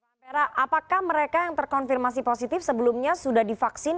mbak pera apakah mereka yang terkonfirmasi positif sebelumnya sudah divaksin